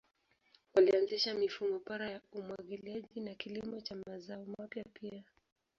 Walianzisha mifumo bora ya umwagiliaji na kilimo cha mazao mapya pia.